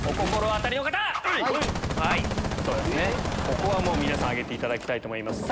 ここは皆さん挙げていただきたいと思います。